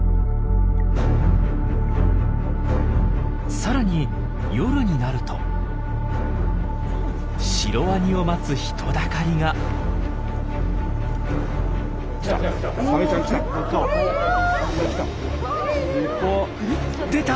さらに夜になるとシロワニを待つ人だかりが。出た！